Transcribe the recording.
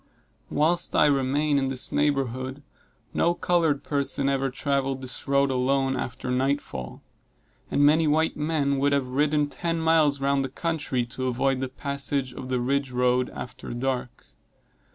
Whilst I remained in this neighborhood, no colored person ever traveled this road alone after night fall; and many white men would have ridden ten miles round the country to avoid the passage of the ridge road, after dark.